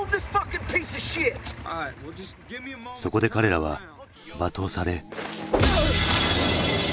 そこで彼らは罵倒され。